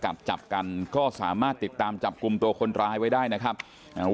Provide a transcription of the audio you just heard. จับจับกันก็สามารถติดตามจับกลุ่มตัวคนร้ายไว้ได้นะครับอ่า